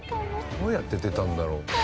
どうやって出たんだろ？